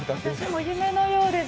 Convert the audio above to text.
夢のようです。